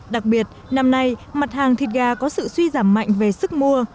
đặc biệt năm nay mặt hàng thịt gà có sự suy giảm mạnh về sức mua